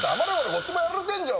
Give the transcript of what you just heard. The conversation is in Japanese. こっちもやられてんじゃ！